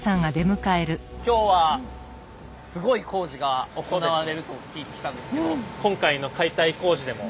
今日はすごい工事が行われると聞いて来たんですけど。